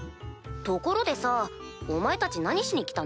ところでさお前たち何しに来たの？